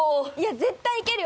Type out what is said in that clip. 絶対いけるよ！